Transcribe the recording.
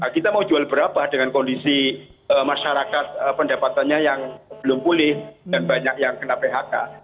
kita mau jual berapa dengan kondisi masyarakat pendapatannya yang belum pulih dan banyak yang kena phk